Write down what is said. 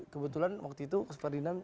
kebetulan waktu itu ferdinand